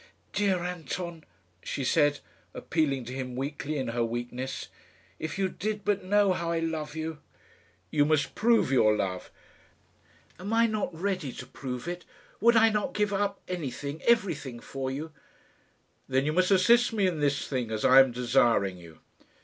"Dear Anton," she said, appealing to him weakly in her weakness, "if you did but know how I love you!" "You must prove your love." "Am I not ready to prove it? Would I not give up anything, everything, for you?" "Then you must assist me in this thing, as I am desiring you."